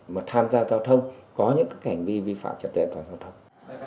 mà tham gia giao thông có những cái hành vi vi phạm trật đoạn giao thông